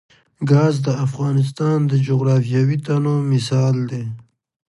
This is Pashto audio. ګاز د افغانستان د جغرافیوي تنوع مثال دی.